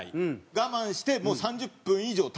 我慢してもう３０分以上経って限界